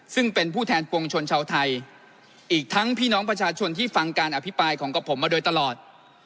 ซึ่งเป็นผู้แทนปวงชนชาวไทยอีกทั้งพี่น้องประชาชนที่ฟังการอภิปรายของกับผมมาโดยตลอด